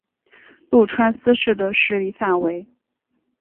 麓川思氏的势力范围。